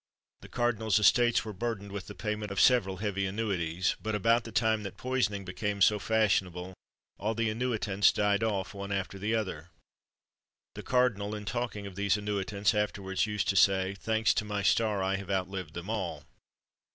The cardinal's estates were burdened with the payment of several heavy annuities; but, about the time that poisoning became so fashionable, all the annuitants died off, one after the other. The cardinal, in talking of these annuitants, afterwards used to say, "Thanks to my star, I have outlived them all!"